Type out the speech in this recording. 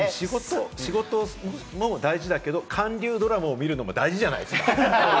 仕事も大事だけど、韓流ドラマを見るのも大事じゃないですか。